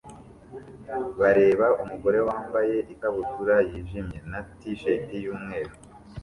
bareba umugore wambaye ikabutura yijimye na t-shirt yumweru